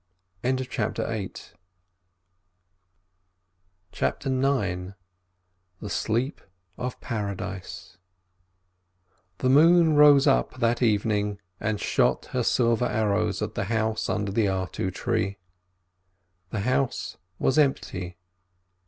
CHAPTER IX THE SLEEP OF PARADISE The moon rose up that evening and shot her silver arrows at the house under the artu tree. The house was empty.